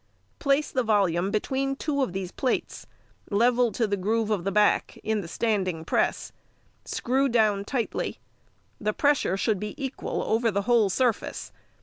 Place the volume between two of these plates, level to the groove of the back, in the standing press; screw down tightly. The pressure should be equal over the whole surface.